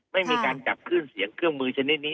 ไม่มีการจับขึ้นเสียงเครื่องมือชนิดนี้